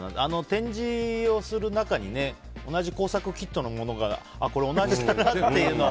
展示をする中に同じ工作キットのものがこれ、同じだっていうの。